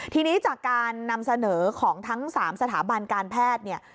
ทีนี้จากการนำเสนอของทั้ง๓สถาบันการแพทย์เนี่ย